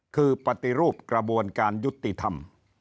คือปฏิรูปกระบวนการยุติธรรม